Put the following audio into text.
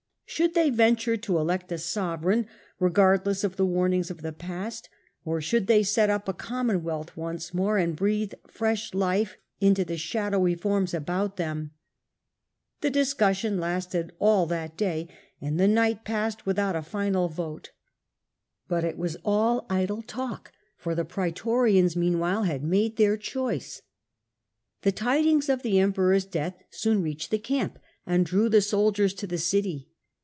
Should they venture to elect a sovereign, regardless of the warnings of the past, or should they set up a commonwealth once more, and breathe fresh life into the shadowy forms about them ? The discussion lasted all that day, and the lasted till night passed without a final vote. But it was all idle talk, for the praetorians meanwhile had made theii choice. The tidings of the Emperors death soon reached the camp, and drew the soldiers to the city.